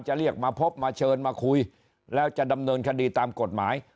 เรียกมาพบมาเชิญมาคุยแล้วจะดำเนินคดีตามกฎหมาย